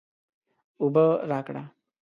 اوبه راکړه